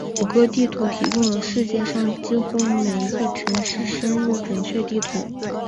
谷歌地图提供了世界上几乎每一个城市深入准确的地图。